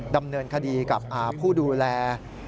ดำเนินคดีกับผู้ดูแล